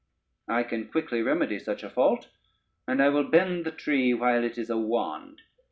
I can quickly remedy such a fault, and I will bend the tree while it is a wand.